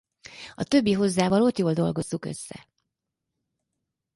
A többi hozzávalót jól dolgozzuk össze.